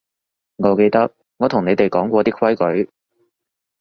我記得我同你哋講過啲規矩